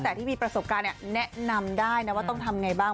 แต่ที่มีประสบการณ์แนะนำได้นะว่าต้องทำไงบ้าง